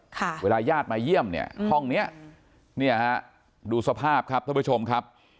ค่ะเวลาญาติมาเยี่ยมเนี่ยห้องเนี้ยเนี่ยฮะดูสภาพครับท่านผู้ชมครับ